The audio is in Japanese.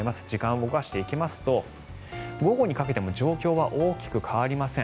時間を動かしていきますと午後にかけても状況は大きく変わりません。